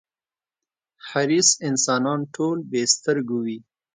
حریص انسانان ټول بې سترگو وي.